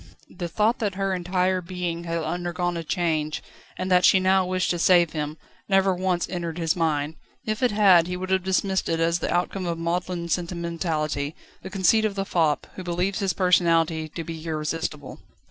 The thought that her entire being had undergone a change, and that she now wished to save him, never once entered his mind; if it had, he would have dismissed it as the outcome of maudlin sentimentality, the conceit of the fop, who believes his personality to be irresistible.